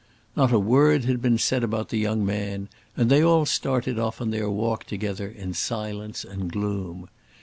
Not a word had been said about the young man, and they all started off on their walk together in silence and gloom.